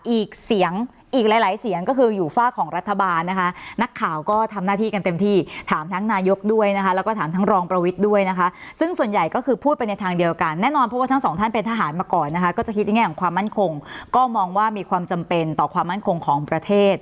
อีกเสียงอีกหลายหลายเสียงก็คืออยู่ฝากของรัฐบาลนะคะนักข่าวก็ทำหน้าที่กันเต็มที่ถามทั้งนายกด้วยนะคะแล้วก็ถามทั้งรองประวิทย์ด้วยนะคะซึ่งส่วนใหญ่ก็คือพูดไปในทางเดียวกันแน่นอนเพราะว่าทั้งสองท่านเป็นทหารมาก่อนนะคะก็จะคิดในแง่ของความมั่นคงก็มองว่ามีความจำเป็นต่อความมั่นคงของประเทศ